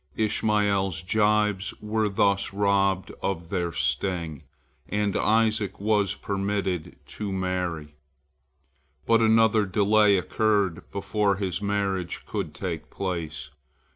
Ishmael's jibes were thus robbed of their sting, and Isaac was permitted to marry. But another delay occurred before his marriage could take place.